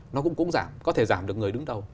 nó cũng giảm có thể giảm được người đứng đầu